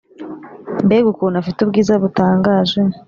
Mbega ukuntu afite ubwiza butangaje